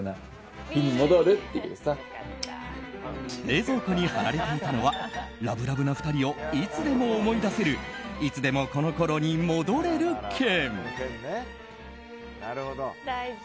冷蔵庫に貼られていたのはラブラブな２人をいつでも思い出せるいつでもこの頃に戻れる券。